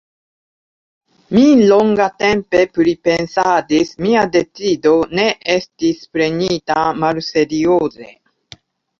Mi longatempe pripensadis: mia decido ne estis prenita malserioze.